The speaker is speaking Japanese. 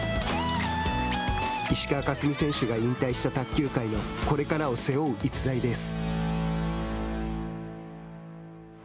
石川佳純選手が引退した卓球界のこれからを背負う逸材です。